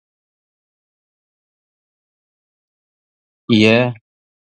Я, кулга алынган эшмәкәр күрсәтмәләр бирдеме?